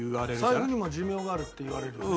財布にも寿命があるって言われるよね。